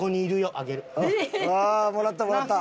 ああもらったもらった。